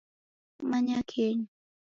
Manya kenyu